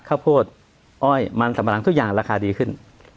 ข้าวโพดอ้อยมันสัมปะหลังทุกอย่างราคาดีขึ้น